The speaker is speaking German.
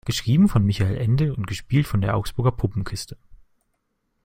Geschrieben von Michael Ende und gespielt von der Augsburger Puppenkiste.